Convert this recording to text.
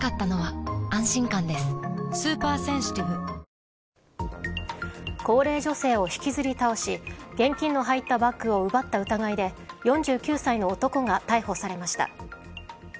ペイトク高齢女性を引きずり倒し現金の入ったバッグを奪った疑いで４９歳の男が逮捕されました。